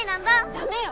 ダメよ！